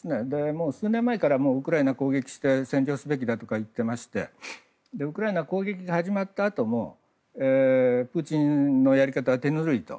もう数年前からウクライナを攻撃して占領をすべきだと言っていまして攻撃が始まったあともプーチンのやり方は手ぬるいと。